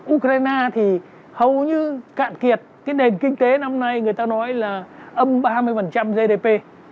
ukraine thì hầu như cạn kiệt cái nền kinh tế năm nay người ta nói là âm ba mươi gdp